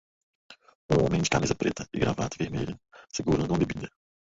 Um homem de camisa preta e gravata vermelha segurando uma bebida.